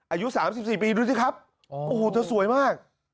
อายุ๓๔ปีดูสิครับโอ้โหเธอสวยมาก